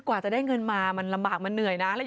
กว่าจะได้เงินมามันลำบากมันเหนื่อยนะ